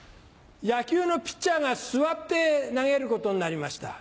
野球のピッチャーが座って投げることになりました。